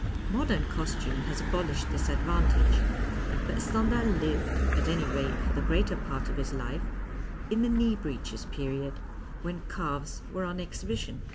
Modern costume has abolished this advantage, but Stendhal lived, at any rate for the greater part of his life, in the knee breeches period, when calves were on exhibition.